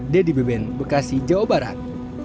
dedy beben bekasi jawa barat